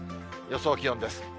予想気温です。